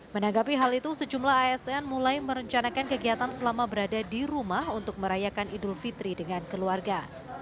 menanggapi hal itu sejumlah asn mulai merencanakan kegiatan selama berada di rumah untuk merayakan idul fitri dengan keluarga